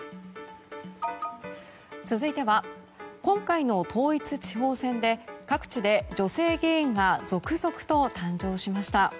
続いては今回の統一地方選で各地で女性議員が続々と誕生しました。